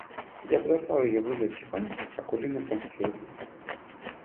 Я подослал ее вызвать тихонько Акулину Памфиловну.